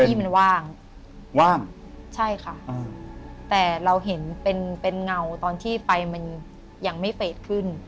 ที่มันว่างว่างใช่ค่ะแต่เราเห็นเป็นเป็นเงาตอนที่ไฟมันยังไม่เฟสขึ้น